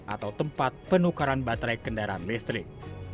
atau tempat penukaran baterai kendaraan listrik